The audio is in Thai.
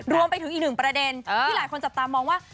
รวมไปถึงอีกหนึ่งประเด็นที่หลายคนจับตามองว่า